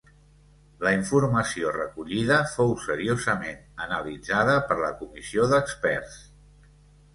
La informació recollida fou seriosament analitzada per la Comissió d'Experts.